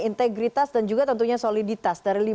integritas dan juga tentunya soliditas dari lima puluh tujuh orang ini